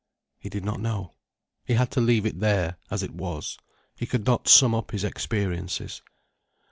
He did not know. He had to leave it there, as it was. He could not sum up his experiences.